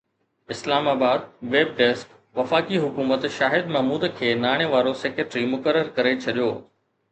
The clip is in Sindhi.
اسلام آباد (ويب ڊيسڪ) وفاقي حڪومت شاهد محمود کي ناڻي وارو سيڪريٽري مقرر ڪري ڇڏيو